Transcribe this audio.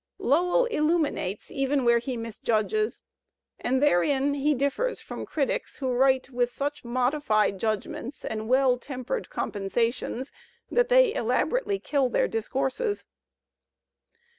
Lowell illuminates even where he misjudges and therein he differs from critics who write with such modified judg ments and well tempered compensations that they elabo rately kill their discourses.